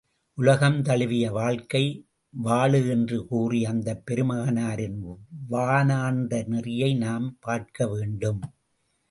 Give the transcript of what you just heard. உலகம் தழுவிய வாழ்க்கை வாழு என்று கூறிய அந்தப் பெருமகனாரின் வானார்ந்த நெறியை நாம் பார்க்க வேண்டும்.